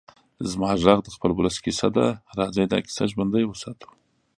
زما غږ د خپل ولس کيسه ده؛ راځئ دا کيسه ژوندۍ وساتو.